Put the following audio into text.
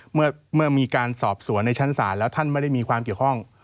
เมื่อมีการสอบสวนในชั้นศาลแล้วท่านไม่ได้มีความเกี่ยวข้อง